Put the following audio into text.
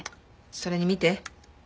それに見て。